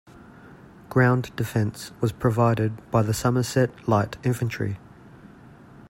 Ground defence was provided by the Somerset Light Infantry.